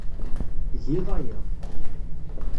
Tgiḍ aya.